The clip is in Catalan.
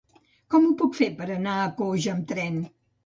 Com ho puc fer per anar a Coix amb tren?